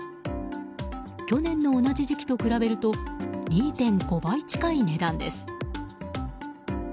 去年の同じ時期と比べると２．５倍近い値段です。